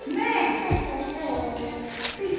スイスイスイー。